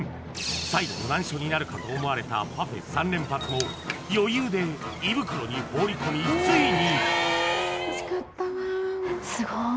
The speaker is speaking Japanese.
最後の難所になるかと思われたパフェ３連発も余裕で胃袋に放り込みついに！